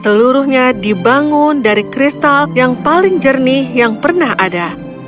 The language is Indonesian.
seluruhnya dibangun dari kristal yang paling jernih yang pernah ada